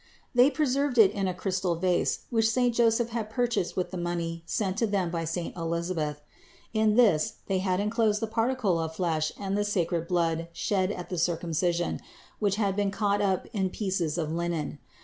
They pre served it in a crystal vase, which saint Joseph had pur chased with the money sent to them by saint Elisa beth. In this they had enclosed the particle of flesh and 464 CITY OF GOD the sacred blood shed at the Circumcision, which had been caught up in pieces of linen.